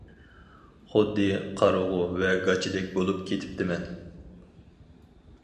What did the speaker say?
خۇددى قارىغۇ ۋە گاچىدەك بولۇپ كېتىپتىمەن.